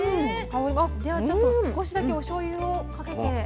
ではちょっと少しだけおしょうゆをかけて。